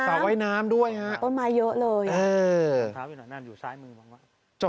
ชาวว่ายน้ำด้วยฮะ